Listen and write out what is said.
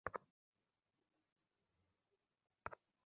তিনি কখনও এক পঞ্জিকাবর্ষে সহস্রাধিক রান সংগ্রহ করতে পারেননি।